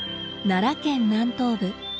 奈良県南東部。